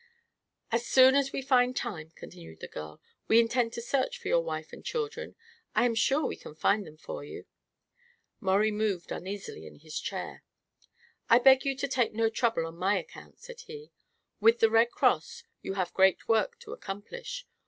"As soon as we find time," continued the girl, "we intend to search for your wife and children. I am sure we can find them for you." Maurie moved uneasily in his chair. "I beg you to take no trouble on my account," said he. "With the Red Cross you have great work to accomplish.